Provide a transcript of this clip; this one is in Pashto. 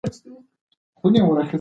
هغوی وایي چې د زړه سکون په ذکر کې دی.